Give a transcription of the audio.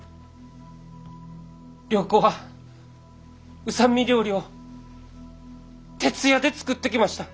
良子は御三味料理を徹夜で作ってきました。